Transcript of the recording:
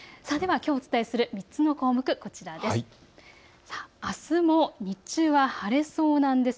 きょうお伝えする３つの項目こちらです。